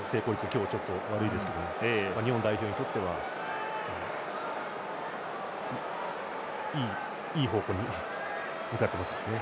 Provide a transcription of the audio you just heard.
今日、ちょっと悪いですけど日本代表にとってはいい方向に向かってますよね。